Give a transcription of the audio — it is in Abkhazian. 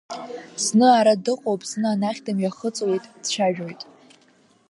Зны ара дыҟоуп, зны анахь дымҩахыҵуеит, дцәажәоит.